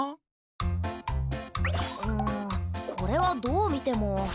うんこれはどうみても。